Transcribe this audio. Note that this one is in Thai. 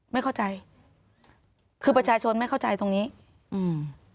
ไม่เข้าใจคือประชาชนไม่เข้าใจตรงนี้อืม